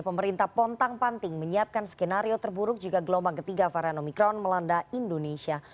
pemerintah pontang panting menyiapkan skenario terburuk jika gelombang ketiga varian omikron melanda indonesia